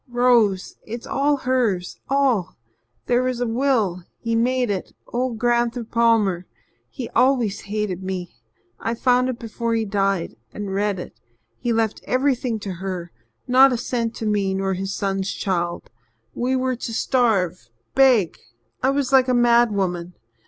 Rose it's all hers all. There was a will he made it old Gran'ther Palmer. He always hated me. I found it before he died and read it. He left everything to her not a cent to me nor his son's child we were to starve beg. I was like a madwoman.